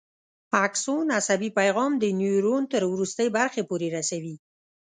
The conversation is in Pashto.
اکسون عصبي پیغام د نیورون تر وروستۍ برخې پورې رسوي.